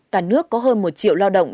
cả nước có hơn một triệu lao động